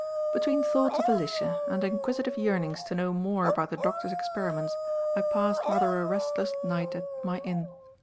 Between thoughts of Alicia, and inquisitive yearnings to know more about the doctor's experiments, I passed rather a restless night at my inn.